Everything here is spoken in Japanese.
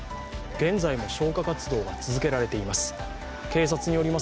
現在も消火活動が続けられています。